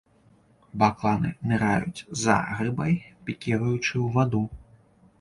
Бакланы ныраюць за рыбай, пікіруючы ў ваду.